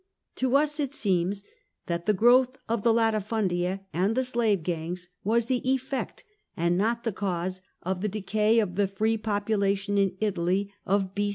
To us it seems that the growth of the latifmidia and the slave gangs was the effect, and not the cause, of the decay of the free population in the Italy of B.